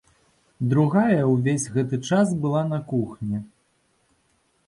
Другая ўвесь гэты час была на кухні.